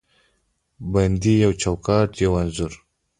بندې یو چوکاټ، یوه انځور